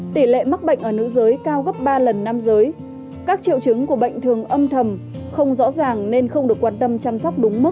tỷ lệ mắc bệnh ở nữ giới cao gấp ba lần nam giới các triệu chứng của bệnh thường âm thầm không rõ ràng nên không được quan tâm chăm sóc đúng mức